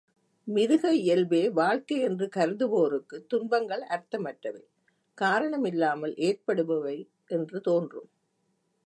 மிருக இயல்பே வாழ்க்கை யென்று கருதுவோருக்குத் துன்பங்கள் அர்த்தமற்றவை, காரணமில்லாமல் ஏற்படுபவை என்று தோன்றும்.